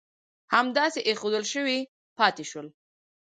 همداسې اېښودل شوي پاتې شول.